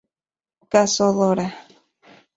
Caso Dora".